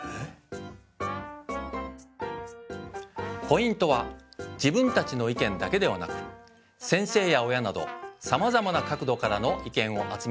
ポイントは自分たちの意見だけではなく先生や親などさまざまな角度からの意見を集めること。